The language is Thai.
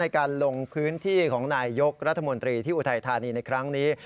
การลงพื้นที่ของนายยกรัฐมนตรีที่อุทัยธานีในครั้งนี้